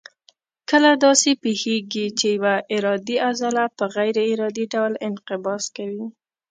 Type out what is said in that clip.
کله داسې پېښېږي چې یوه ارادي عضله په غیر ارادي ډول انقباض کوي.